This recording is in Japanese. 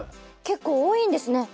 結構多いんですね。